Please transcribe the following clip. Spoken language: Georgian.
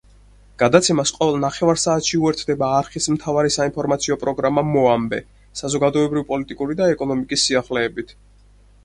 გადაცემას ყოველ ნახევარ საათში უერთდება არხის მთავარი საინფორმაციო პროგრამა „მოამბე“, საზოგადოებრივ-პოლიტიკური და ეკონომიკის სიახლეებით.